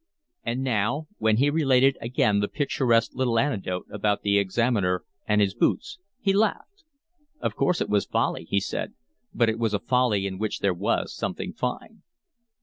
And now, when he related again the picturesque little anecdote about the examiner and his boots, he laughed. "Of course it was folly," he said, "but it was a folly in which there was something fine."